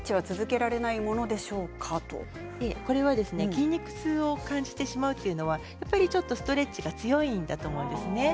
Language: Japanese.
筋肉痛を感じてしまうというのはやっぱりストレッチが強いんだと思うんですね。